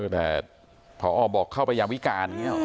แต่ผอบอกเข้าไปยามวิการ